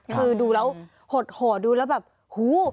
คือดูแล้วหดโหดดูแล้วแบบหู